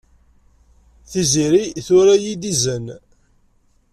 Tiziri tura-iyi-d izen.